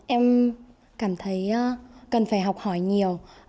em cảm thấy cần phải học hỏi nhiều